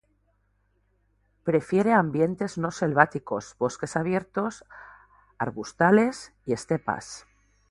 Prefiere ambientes no selváticos, bosques abiertos, arbustales y estepas.